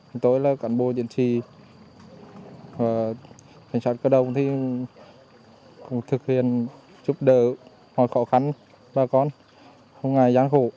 hôm tối là cản bộ chiến sĩ và cảnh sát cơ đông thì cũng thực hiện giúp đỡ mọi khó khăn bà con không ngại gian khổ